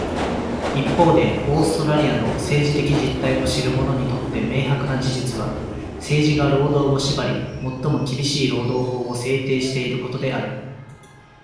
一方で、オーストラリアの政治的実態を知る者にとって明白な事実は、政治が労働を縛り、最も厳しい労働法を制定していることである。